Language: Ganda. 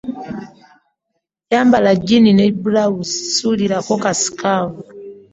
Yamba jjiini ne bbulawuzi suulirako ka sikaafu.